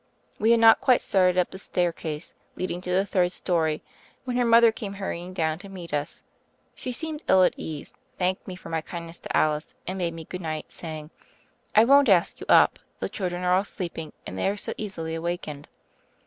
We had not quite started up the staircase leading to the third story, when her mother came hurrying down to meet us. She seemed ill at ease, thanked me for my kindness to Alice, and bade me good night, saying, 'I won't ask you up : the children are all sleeping, and they are so easily awak ened.'